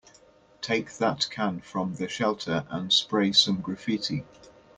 Take that can from the shelter and spray some graffiti.